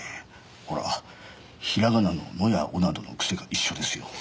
ほら平仮名の「の」や「を」などの癖が一緒ですよ。